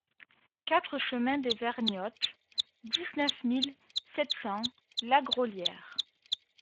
quatre chemin des Vergnottes, dix-neuf mille sept cents Lagraulière